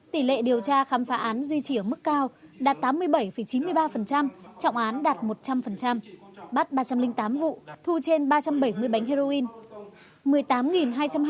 tỷ lệ điều tra khám phá án duy trì ở mức cao đạt tám mươi bảy chín mươi ba trọng án đạt một trăm linh bắt ba trăm linh tám vụ thu trên ba trăm bảy mươi bánh heroin